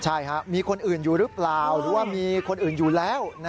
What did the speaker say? ใช่มีคนอื่นอยู่หรือเปล่าหรือว่ามีคนอื่นอยู่แล้ว